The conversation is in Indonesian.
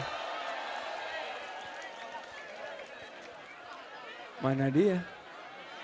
bapak anies rasid baswedan